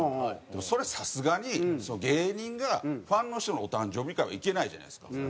でもそれさすがに芸人がファンの人のお誕生日会は行けないじゃないですか。